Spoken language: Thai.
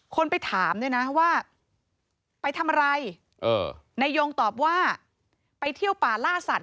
คนไปถามด้วยนะว่าไปทำอะไรนายยงตอบว่าไปเที่ยวป่าล่าสัตว